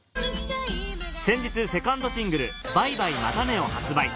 先日セカンドシングル『バイバイ、またね』を発売